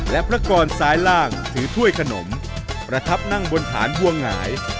และพระกรซ้ายล่างถือถ้วยขนมประทับนั่งบนฐานบัวหงาย